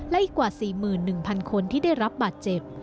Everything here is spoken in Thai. และอีกกว่า๔๑๐๐คนที่ได้รับบาดเจ็บ